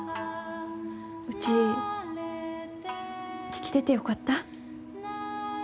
うち生きててよかった。